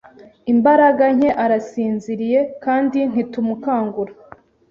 imbaraga nke arasinziriye kandi ntitumukangura